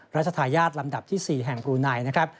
รัฐธาญาตรลำดับที่๔แห่งปรุนัยนะครับ